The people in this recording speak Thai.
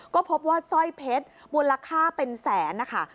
ก็พบว่าสร้อยเพชรมูลค่าเป็นแสนนะคะ